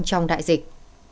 trong đại dịch